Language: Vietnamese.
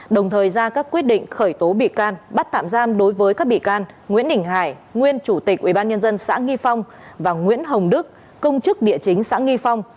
đồng thời ra các quyết định khởi tố bị can bắt tạm giam đối với các bị can nguyễn đình hải nguyên chủ tịch ubnd xã nghi phong và nguyễn hồng đức công chức địa chính xã nghi phong